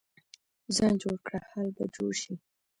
ځان جوړ کړه، حال به جوړ شي.